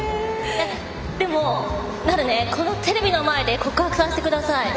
でもなるね、テレビの前で告白させてください。